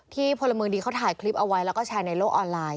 พลเมืองดีเขาถ่ายคลิปเอาไว้แล้วก็แชร์ในโลกออนไลน์